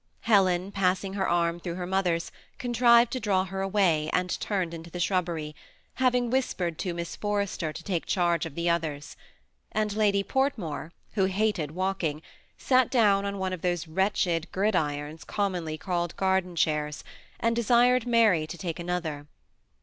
Helen, passing her arm through her mother's, eontrived to draw her away, and turned into the sbrubberj:, having whispered to Miss Forrester to take charge of the others; and Ladj Portmore, who hated walking, sat down on one of those wretched gridirons commonly called gaiden chairs, and desired Mary to take ano^er.